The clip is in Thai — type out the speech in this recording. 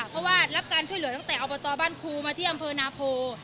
เพราะว่ารับการช่วยเหลือตั้งแต่อบตบ้านครูมาที่อำเภอนาโพ